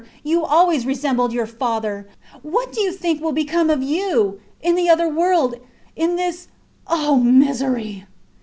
You always resembled your father. What do you think will become of you ... in the other world? In this ... Oh misery!